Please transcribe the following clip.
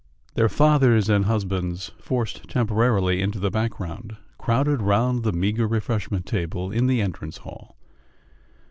Their fathers and husbands, forced temporarily into the background, crowded round the meagre refreshment table in the entrance hall.